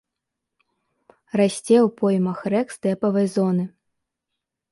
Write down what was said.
Расце ў поймах рэк стэпавай зоны.